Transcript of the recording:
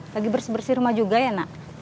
lagi bersih bersih rumah juga ya nak